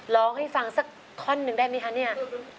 ร้องให้ฟังสักท่อนหนึ่งได้ไหมคะเนี่ย